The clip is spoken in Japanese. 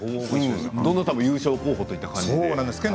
どなたも優勝候補といった感じですね。